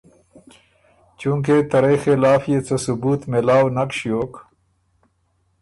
چونکې ته رئ خلاف يې څه ثبوت مېلاؤ نک ݭیوک